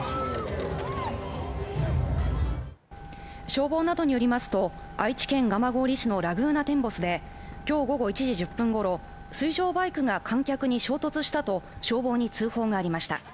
消防などによりますと、愛知県蒲郡市のラグーナテンボスで今日午後１時１０分ごろ、水上バイクが観客に衝突したと消防に通報がありました。